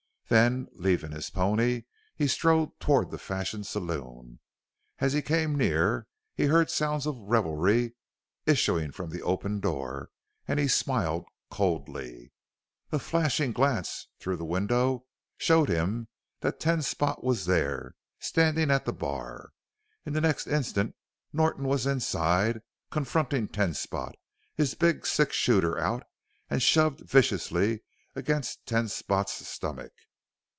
Then, leaving his pony, he strode toward the Fashion saloon. As he came near he heard sounds of revelry issuing from the open door and he smiled coldly. A flashing glance through the window showed him that Ten Spot was there, standing at the bar. In the next instant Norton was inside, confronting Ten Spot, his big six shooter out and shoved viciously against Ten Spot's stomach.